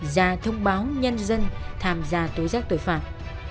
ra thông báo nhân dân tham gia tối giác tội phạm